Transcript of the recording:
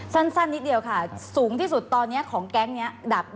สั้นนิดเดียวค่ะสูงที่สุดตอนนี้ของแก๊งนี้ดับ